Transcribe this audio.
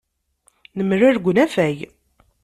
Nemlal deg unafag.